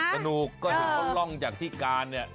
สนุกเพราะคนร่องจากที่การเนี่ย